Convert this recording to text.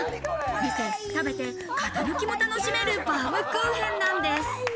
見て食べて、型抜きも楽しめるバウムクーヘンなんです。